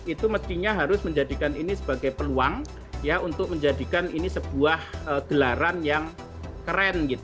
itu mestinya harus menjadikan ini sebagai peluang untuk menjadikan ini sebuah gelaran yang keren